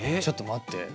ちょっと待って。